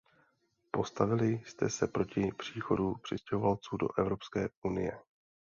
Postavili jste se proti příchodu přistěhovalců do Evropské unie.